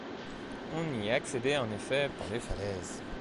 On y accédait en effet par les falaises.